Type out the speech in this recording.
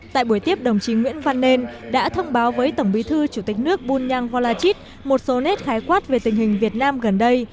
tại buổi tiếp đồng chí nguyễn văn nên đã thông báo với tổng bí thư chủ tịch nước bunyang volachit một số nét khái quát về tình hình việt nam gần đây